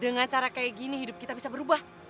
dengan cara kayak gini hidup kita bisa berubah